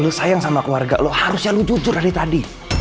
lu sayang sama keluarga lo harusnya lo jujur dari tadi